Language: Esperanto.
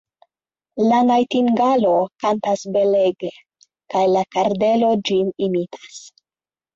La najtingalo kantas belege, kaj la kardelo ĝin imitas.